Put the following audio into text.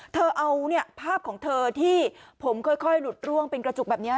เธอเอาภาพของเธอที่ผมค่อยหลุดร่วงเป็นกระจุกแบบนี้